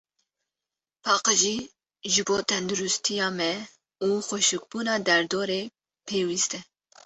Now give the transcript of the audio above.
Paqijî, ji bo tendirûstiya me û xweşikbûna derdorê, pêwîst e.